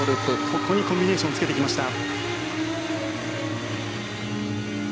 ここにコンビネーションをつけてきました。